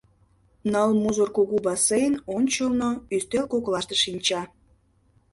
Ныл мужыр кугу бассейн ончылно ӱстел коклаште шинча.